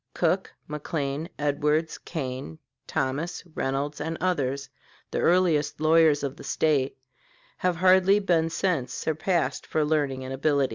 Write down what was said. Cook, McLean, Edwards, Kane, Thomas, Reynolds, and others, the earliest lawyers of the State, have hardly been since surpassed for learning and ability.